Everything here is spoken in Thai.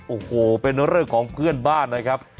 โอ้โหเป็นเรื่องของเพื่อนบ้านนะครับ